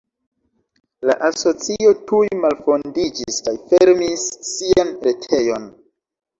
La asocio tuj malfondiĝis kaj fermis sian retejon.